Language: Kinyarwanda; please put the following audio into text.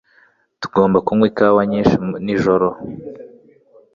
Ntugomba kunywa ikawa nyinshi nijoro.